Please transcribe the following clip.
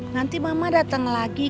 nanti mama dateng lagi